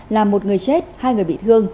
là một người chết hai người bị thương